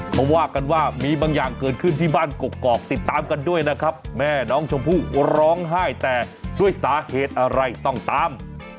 เขาว่ากันว่ามีบางอย่างเกิดขึ้นที่บ้านกกอกติดตามกันด้วยนะครับแม่น้องชมพู่ร้องไห้แต่ด้วยสาเหตุอะไรต้องตาม